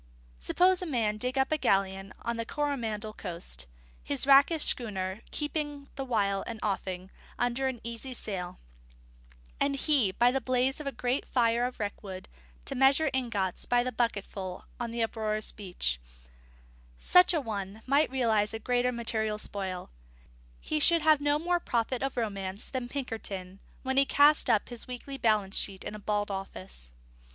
Suppose a man to dig up a galleon on the Coromandel coast, his rakish schooner keeping the while an offing under easy sail, and he, by the blaze of a great fire of wreckwood, to measure ingots by the bucketful on the uproarious beach: such an one might realise a greater material spoil; he should have no more profit of romance than Pinkerton when he cast up his weekly balance sheet in a bald office.